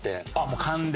もう勘で？